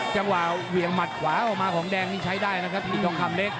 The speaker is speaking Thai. จังหวะเหวี่ยงหมัดขวาออกมาของแดงนี่ใช้ได้นะครับมีทองคำเล็ก